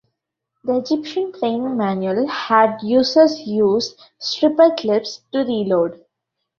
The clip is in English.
The Egyptian training manual had users use stripper clips to reload.